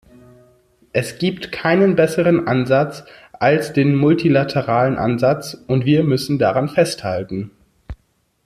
Es gibt keinen besseren Ansatz als den multilateralen Ansatz, und wir müssen daran festhalten.